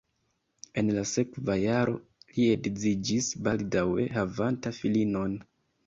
En la sekva jaro li edziĝis baldaŭe havanta filinon.